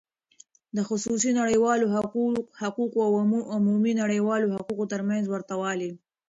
د خصوصی نړیوالو حقوقو او عمومی نړیوالو حقوقو تر منځ ورته والی :